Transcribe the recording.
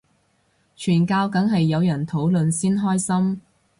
傳教梗係有人討論先開心